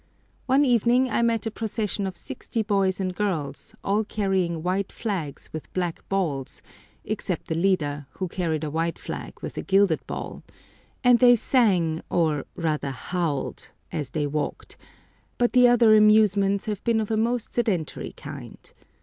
One evening I met a procession of sixty boys and girls, all carrying white flags with black balls, except the leader, who carried a white flag with a gilded ball, and they sang, or rather howled, as they walked; but the other amusements have been of a most sedentary kind.